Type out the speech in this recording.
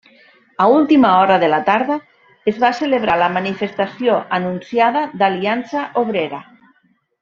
A última hora de la tarda es va celebrar la manifestació anunciada d'Aliança Obrera.